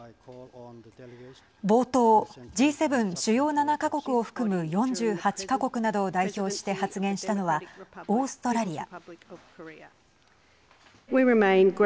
冒頭、Ｇ７＝主要７か国を含む４８か国などを代表して発言したのはオーストラリア。